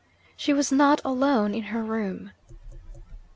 She was not alone in her room!